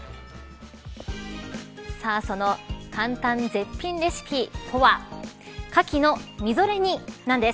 さあ、その簡単絶品レシピとはかきのみぞれ煮なんです。